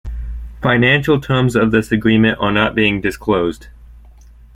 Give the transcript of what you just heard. Financial terms of this agreement are not being disclosed.